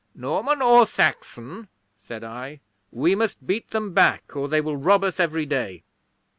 '"Norman or Saxon," said I, "we must beat them back, or they will rob us every day.